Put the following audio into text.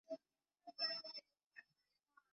首尔民众对此赞不绝口。